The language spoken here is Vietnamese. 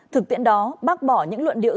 thực tiện đó bác bỏ những luận điệu